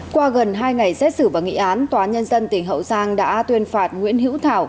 qua gần hai ngày xét xử và nghị án tòa nhân dân tỉnh hậu giang đã tuyên phạt nguyễn hữu thảo